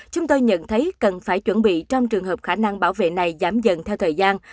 chúng tôi nhận thấy cần phải chuẩn bị trong trường hợp khả năng bảo vệ này giảm dần theo thời gian